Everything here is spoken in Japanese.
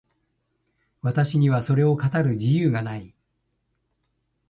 私にはそれを語る自由がない。